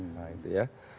nah itu ya